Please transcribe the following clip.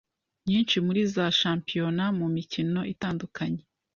Nyinshi muri za shampiyona mu mikino itandukanye